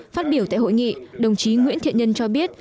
phát biểu tại hội nghị đồng chí nguyễn thiện nhân cho biết